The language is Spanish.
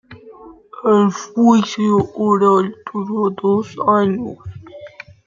El juicio oral duró dos años.